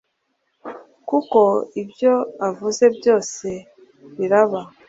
Kuko ibyo avuze byose biraba